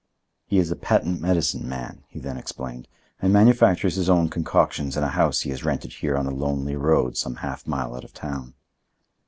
"He is a patent medicine man," he then explained, "and manufactures his own concoctions in a house he has rented here on a lonely road some half mile out of town."